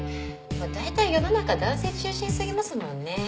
まあ大体世の中男性中心すぎますもんね。